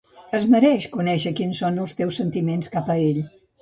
Es mereix conèixer quins són els teus sentiments cap a ell.